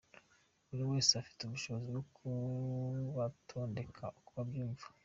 Buri wese afite ubushobozi bwo kubatondeka uko abyumva.